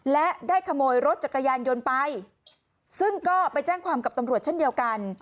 และได้ขโมยรถจักรยานยนต์ไปซึ่งก็ไปแจ้งความกับตำรวจเช่นเดียวกัน